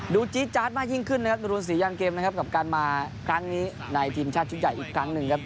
จี๊ดจาดมากยิ่งขึ้นนะครับรุนศรียันเกมนะครับกับการมาครั้งนี้ในทีมชาติชุดใหญ่อีกครั้งหนึ่งครับ